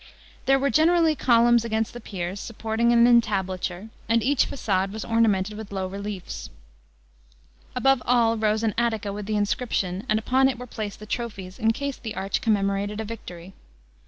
There were generally columns against the piers, supporting an entablature, and each fa9ade was ornamented with low reliefs. Above all rose an attica with the inscription, and upon it were placed the trophies in case the arch commemorated a victory.